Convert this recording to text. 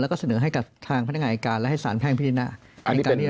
และก็เสนอไฟการและให้สารแพ่งพิธินาบริการเกิด